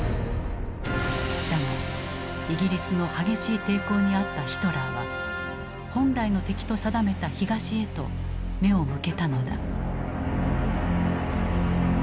だがイギリスの激しい抵抗に遭ったヒトラーは本来の敵と定めた東へと目を向けたのだ。